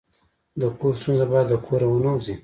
د کور ستونزه باید له کوره ونه وځي.